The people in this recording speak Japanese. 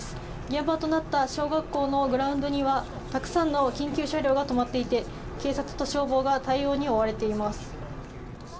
現場となった小学校のグラウンドにはたくさんの緊急車両が止まっていて警察と消防が対応に追われています。